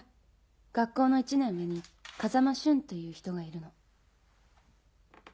学校の１年上に風間俊という人がいるの。